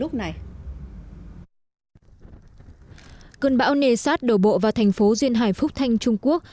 cơn bão nessat đổ bộ vào thành phố duyên hải phúc thanh trung quốc